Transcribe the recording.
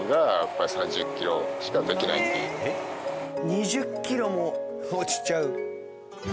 ２０キロも落ちちゃう。